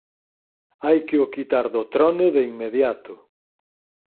Hai que o quitar do trono de inmediato".